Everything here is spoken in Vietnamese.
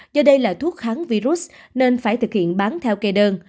do đây là thuốc kháng virus nên phải thực hiện bán theo kê đơn